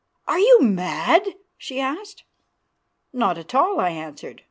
"Are you mad?" she asked. "Not at all," I answered.